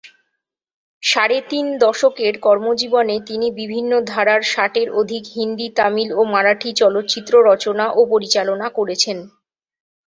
সাড়ে তিন দশকের কর্মজীবনে তিনি বিভিন্ন ধারার ষাটের অধিক হিন্দি, তামিল ও মারাঠি চলচ্চিত্র রচনা ও পরিচালনা করেছেন।